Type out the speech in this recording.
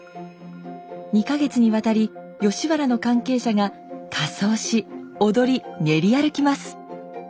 ２か月にわたり吉原の関係者が仮装し踊り練り歩きます。